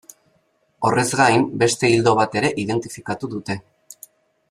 Horrez gain, beste ildo bat ere identifikatu dute.